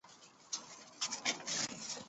这些石刻仍存。